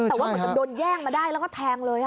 แต่ว่าเหมือนกับโดนแย่งมาได้แล้วก็แทงเลย